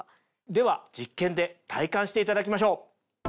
では実験で体感していただきましょう。